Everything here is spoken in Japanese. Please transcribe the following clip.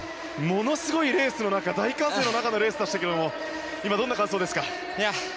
ものすごい大歓声の中のレースでしたけれども今、どんな感想ですか？